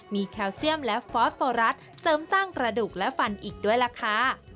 มีแคลเซียมและฟอสโฟรัสเสริมสร้างกระดูกและฟันอีกด้วยล่ะค่ะ